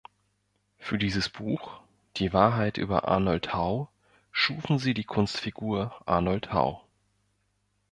Für dieses Buch "Die Wahrheit über Arnold Hau" schufen sie die Kunstfigur Arnold Hau.